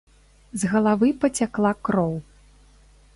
З галавы пацякла кроў.